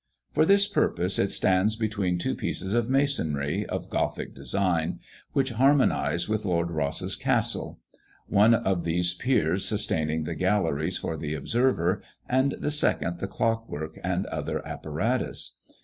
For this purpose it stands between two pieces of masonry, of gothic design, which harmonize with Lord Rosse's castle; one of these piers sustaining the galleries for the observer, and the second the clockwork and other apparatus.